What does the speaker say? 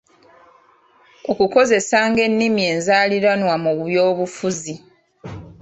Okukozesanga ennimi enzaaliranwa mu byobufuzi